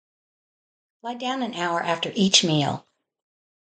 Lie down an hour after each meal.